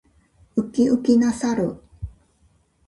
ウキウキな猿。